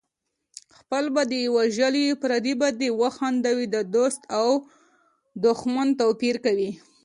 خپل به دې وژړوي پردی به دې وخندوي د دوست او دښمن توپیر کوي